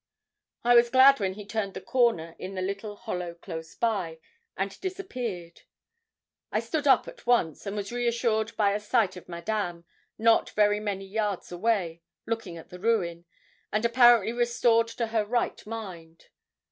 I was glad when he turned the corner in the little hollow close by, and disappeared. I stood up at once, and was reassured by a sight of Madame, not very many yards away, looking at the ruin, and apparently restored to her right mind.